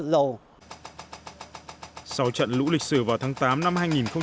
trong một trận lũ lịch sử vào tháng tám năm hai nghìn một mươi tám